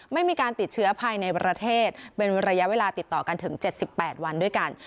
ไม่มีการติดเชื้อภายในประเทศเป็นระยะเวลาติดต่อกันถึง๗๘วันด้วยกัน